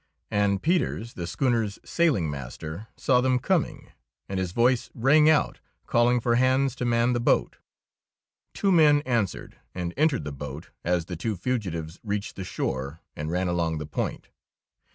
And Peters, the schooner's sailing master, saw them coming, and his voice rang out calling for hands to man the boat. Two men answered and entered the boat as the two fugitives reached the shore and ran along the Point.